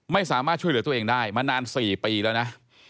ไม่สามารถช่วยเหลือตัวเองได้มานาน๔ปีแล้วนะ